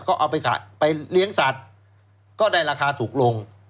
ก็เอาไปเลี้ยงสัตว์ก็ได้ราคาถูกลง